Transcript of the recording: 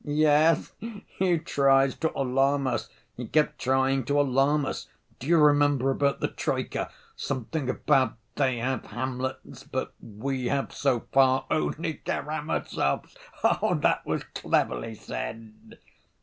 "Yes, he tries to alarm us, he kept trying to alarm us. Do you remember about the troika? Something about 'They have Hamlets, but we have, so far, only Karamazovs!' That was cleverly said!"